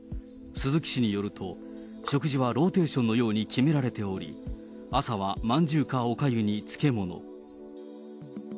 鈴木氏によると、食事はローテーションのように決められており、朝はまんじゅうかおかゆに漬物。